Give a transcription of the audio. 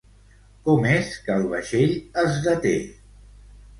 Com és que el vaixell es deté?